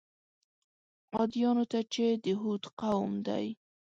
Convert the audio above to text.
عادیانو ته چې د هود قوم دی.